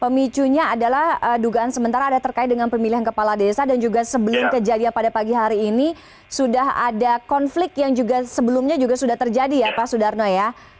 pemicunya adalah dugaan sementara ada terkait dengan pemilihan kepala desa dan juga sebelum kejadian pada pagi hari ini sudah ada konflik yang juga sebelumnya juga sudah terjadi ya pak sudarno ya